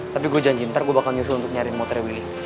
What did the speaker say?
tapi gue janji ntar gue bakal nyusu untuk nyari motornya wili